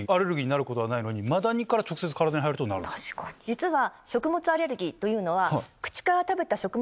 実は。